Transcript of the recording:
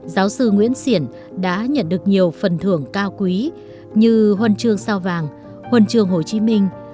giáo sư nguyễn xiển đã nhận được nhiều phần thưởng cao quý như huần trường sao vàng huần trường hồ chí minh